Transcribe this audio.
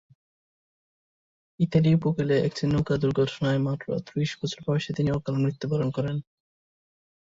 Italy উপকূলে একটি নৌকা দুর্ঘটনায় মাত্র ত্রিশ বছর বয়সে তিনি অকাল মৃত্যুবরণ করেন।